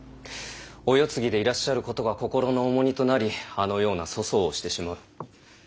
お世継ぎでいらっしゃることが心の重荷となりあのような粗相をしてしまう。